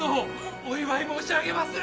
お祝い申し上げまする！